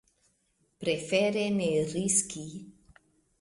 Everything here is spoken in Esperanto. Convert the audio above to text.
Prefere ne riski.